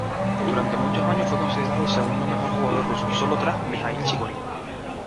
Durante muchos años fue considerado el segundo mejor jugador ruso, sólo tras Mijaíl Chigorin.